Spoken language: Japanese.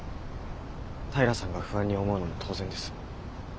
平さんが不安に思うのも当然です。